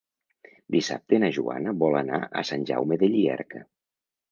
Dissabte na Joana vol anar a Sant Jaume de Llierca.